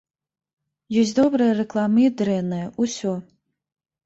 Ёсць добрая рэклама і дрэнная, усё.